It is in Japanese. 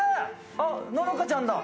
あ、ののかちゃんだ。